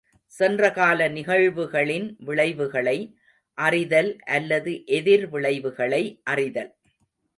சென்றகால நிகழ்வுகளின் விளைவுகளை அறிதல் அல்லது எதிர்விளைவுகளை அறிதல்.